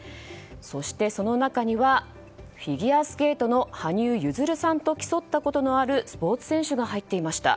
そして、その中にはフィギュアスケートの羽生結弦さんと競ったことのあるスポーツ選手が入っていました。